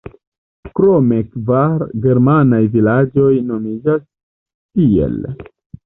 Krome kvar germanaj vilaĝoj nomiĝas tiel.